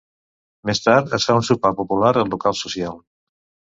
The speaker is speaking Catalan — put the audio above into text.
Més tard, es fa un sopar popular al Local Social.